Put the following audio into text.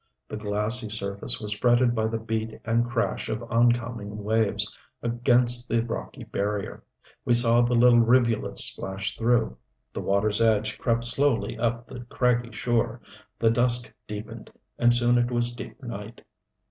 The glassy surface was fretted by the beat and crash of oncoming waves against the rocky barrier. We saw the little rivulets splash through; the water's edge crept slowly up the craggy shore. The dusk deepened, and soon it was deep night.